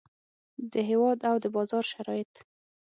د هیواد او د بازار شرایط.